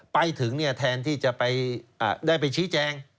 ไปถึงเนี่ยแทนที่จะไปได้ไปชี้แจง